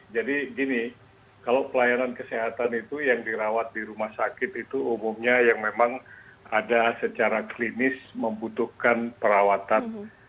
jadi gini kalau pelayanan kesehatan itu yang dirawat di rumah sakit itu umumnya yang memang ada secara klinis membutuhkan perawatan